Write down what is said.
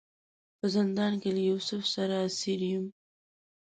په زندان کې له یوسف سره اسیر یم.